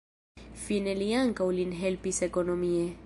Fine li ankaŭ lin helpis ekonomie.